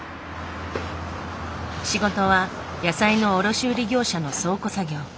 仕事は野菜の卸売業者の倉庫作業。